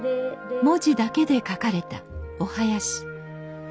文字だけで書かれたお囃子。